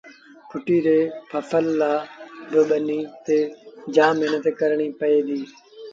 ڦٽيٚ ري ڦسل لآبا ٻنيٚ تي جآم مهنت ڪرڻيٚ پئي ديٚ